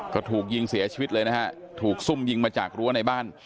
ก็ถูกยิงเสียชีวิตเลยนะฮะถูกซุ่มยิงมาจากรั้วในบ้าน